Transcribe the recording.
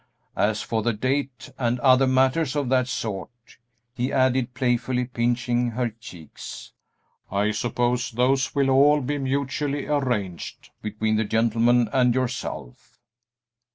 As for the date and other matters of that sort," he added, playfully pinching her cheeks, "I suppose those will all be mutually arranged between the gentleman and yourself."